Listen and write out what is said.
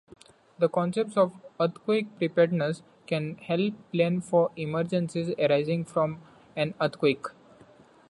The concepts of earthquake preparedness can help plan for emergencies arising from an earthquake.